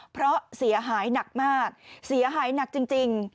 เพราะเสียหายหนักมากเสียหายหนักจริง